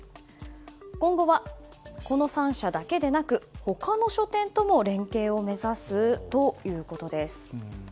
今後は、この３社だけでなく他の書店とも連携を目指すということです。